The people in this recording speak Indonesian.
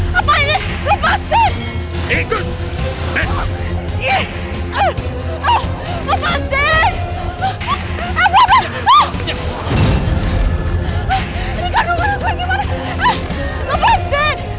kamu kehilangan hati kurasa ramah